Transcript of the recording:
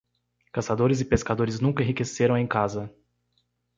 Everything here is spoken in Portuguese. Caçadores e pescadores nunca enriqueceram em casa.